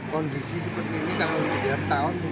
kondisi seperti ini tahun tahun mungkin dua kali